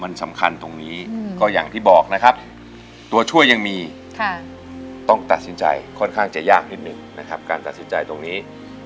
มันสำคัญตรงนี้ก็อย่างที่บอกนะครับตัวช่วยยังมีต้องตัดสินใจค่อนข้างจะยากนิดหนึ่งนะครับการตัดสินใจตรงนี้